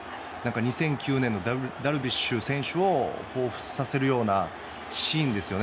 ２００９年のダルビッシュ選手をほうふつとさせるようなシーンですよね。